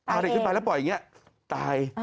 เอาเด็กขึ้นไปแล้วปล่อยอย่างนี้